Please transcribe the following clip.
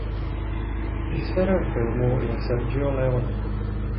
Režisérem filmu je Sergio Leone.